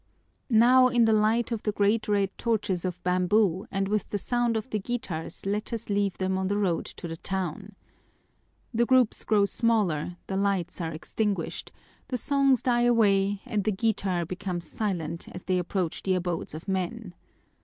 Now in the light of the great red torches of bamboo and with the sound of the guitars let us leave them on the road to the town. The groups grow smaller, the lights are extinguished, the songs die away, and the guitar becomes silent as they approach the abodes of men.